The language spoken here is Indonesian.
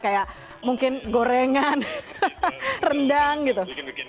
kayak mungkin gorengan rendang gitu